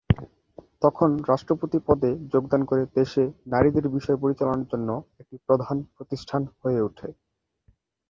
তখন রাষ্ট্রপতি পদে যোগদান করে দেশে নারীদের বিষয় পরিচালনার জন্য এটি প্রধান প্রতিষ্ঠান হয়ে ওঠে।